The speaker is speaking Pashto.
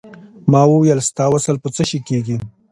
ما وویل ستا وصل په څه شی کېږي.